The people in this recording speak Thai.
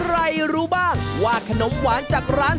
รู้บ้างว่าขนมหวานจากร้าน